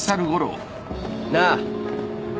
なあ。